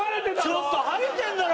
ちょっとハゲてるだろ！